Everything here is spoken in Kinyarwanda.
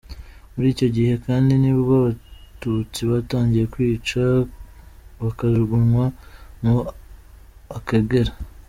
Muri icyo gihe kandi ni bwo abatutsi batangiye kwica bakajugunwa mu Akagera.